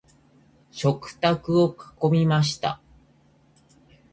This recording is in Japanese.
食卓を囲みました。